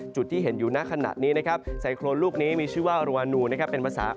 จุดที่เห็นอยู่ณขณะนี้นะครับไซโครนลูกนี้มีชื่อว่ารวานูนะครับเป็นภาษา